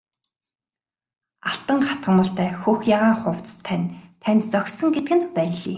Алтан хатгамалтай хөх ягаан хувцас тань танд зохисон гэдэг нь ванлий!